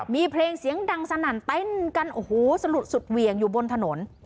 มีเพลงเสียงดังสนั่นเต้นกันโอ้โหสลุดสุดเหวี่ยงอยู่บนถนน